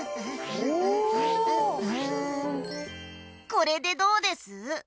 これでどうです？